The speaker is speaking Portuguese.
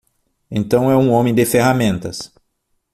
Então é um homem de ferramentas.